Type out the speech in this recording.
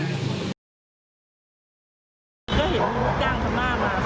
ก็เห็นจ้างธรรมะมาสองคนเนี่ยจากที่เราเคยขายอยู่นะ